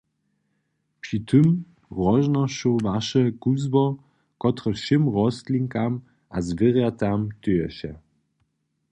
Při tym roznošowaše kuzło, kotrež wšěm rostlinkam a zwěrjatam tyješe.